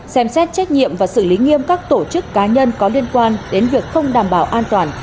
xem xét trách nhiệm và xử lý nghiêm các tổ chức cá nhân có liên quan đến việc không đảm bảo an toàn